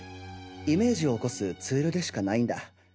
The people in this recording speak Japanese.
イメージを起こすツールでしかないんだ。